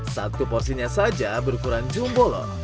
satu porsinya saja berukuran jumbo loh